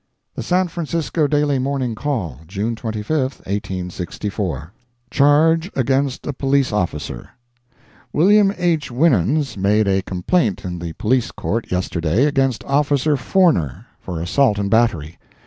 The San Francisco Daily Morning Call, June 25, 1864 CHARGE AGAINST A POLICE OFFICER William H. Winans made a complaint in the Police Court, yesterday, against Officer Forner, for assault and battery.